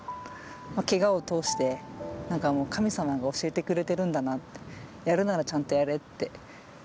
けがを通して、なんかもう、神様が教えてくれてるんだなって、やるならちゃんとやれって。